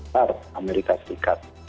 harga amerika serikat